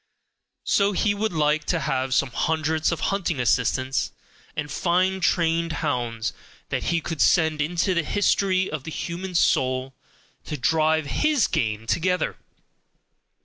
So he would like to have some hundreds of hunting assistants, and fine trained hounds, that he could send into the history of the human soul, to drive HIS game together.